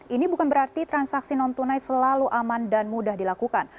ini bukan berarti transaksi non tunai selalu aman dan mudah dilakukan